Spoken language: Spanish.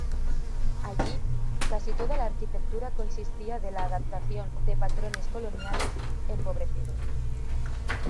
Allí, casi toda la arquitectura consistía de la adaptación de patrones coloniales empobrecidos.